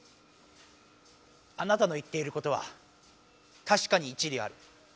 あなたの言っていることはたしかに一理ある。